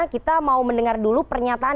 kita mau mendengar dulu pernyataan